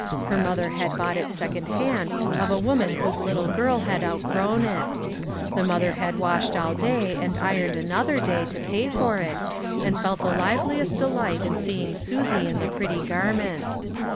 Her mother had bought it second hand of a woman whose little girl had outgrown it; the mother had washed all day and ironed another day to pay for it, and felt the liveliest delight in seeing Susie in the pretty garment.